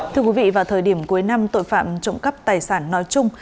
thưa quý vị vào thời điểm cuối năm tội phạm trộm cắp tài sản nói chung